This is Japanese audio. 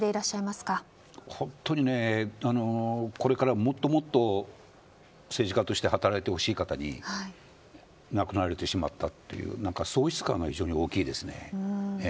本当に、これからもっともっと政治家として働いてほしい方に亡くなられてしまったという喪失感が非常に大きいです。